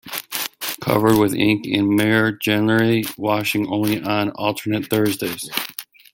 Covered with ink and mire generally, washing only on alternate Thursdays.